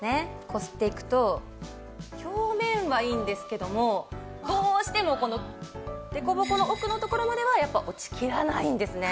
こすっていくと表面はいいんですけどもどうしてもこの凸凹の奥のところまではやっぱ落ちきらないんですね。